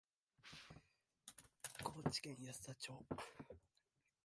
高知県安田町